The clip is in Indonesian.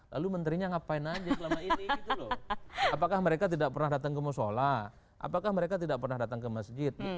lalu menterinya ngapain aja selama ini apakah mereka tidak pernah datang ke masjid